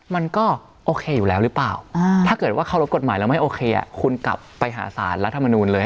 มันก็โอเคอยู่แล้วหรือเปล่าถ้าเกิดว่าเคารพกฎหมายแล้วไม่โอเคคุณกลับไปหาสารรัฐมนูลเลย